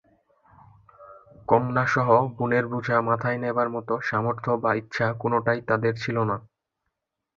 কন্যাসহ বোনের বোঝা মাথায় নেবার মতো সামর্থ্য বা ইচ্ছা কোনটাই তাঁদের ছিল না।